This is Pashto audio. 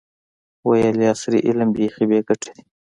ویل یې عصري علم بیخي بې ګټې دی.